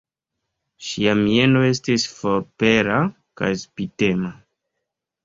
Ŝia mieno estis forpela kaj spitema.